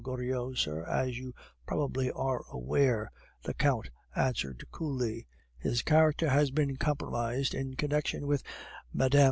Goriot, sir, as you probably are aware," the Count answered coolly. "His character has been compromised in connection with Mme.